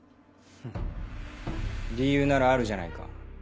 フッ理由ならあるじゃないか。